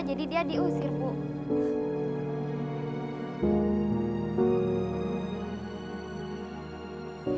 jadi dia diusir bu